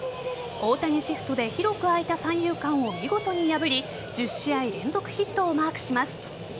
大谷シフトで広く開いた三遊間を見事に破り１０試合連続ヒットをマークします。